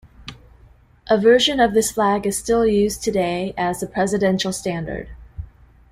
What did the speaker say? A version of this flag is still used today as the Presidential Standard.